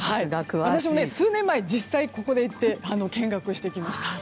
数年前、実際にここへ行って見学してきました。